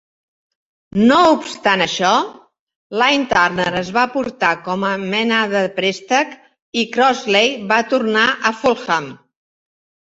No obstant això, Iain Turner es va portar com a mena de préstec i Crossley va tornar a Fulham.